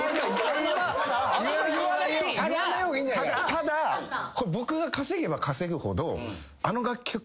ただ僕が稼げば稼ぐほど。